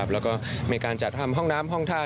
แล้วก็มีการจัดทำห้องน้ำห้องท่า